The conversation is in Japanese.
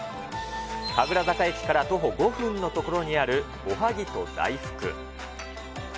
神楽坂駅から徒歩５分の所にある、おはぎと大福。